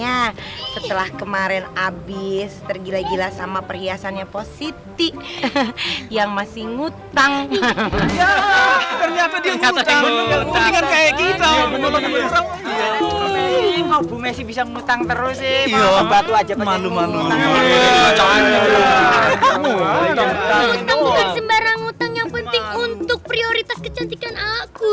ustang bukan sembarang utang yang penting untuk prioritas kecantikan aku